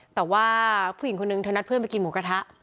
แต่ว่าผู้หญิงคนนึงเธอนัดเพื่อนไปกินหมูกระทะ